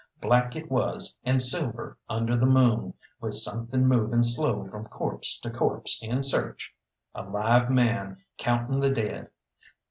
Black it was and silver under the moon, with something moving slow from corpse to corpse in search a live man counting the dead.